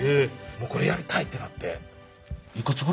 もうこれやりたいってなって。